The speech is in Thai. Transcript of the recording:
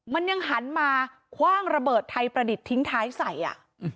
มันยังหันมาคว่างระเบิดไทยประดิษฐ์ทิ้งท้ายใส่อ่ะ